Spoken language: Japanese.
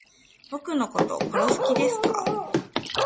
僕のこと殺す気ですか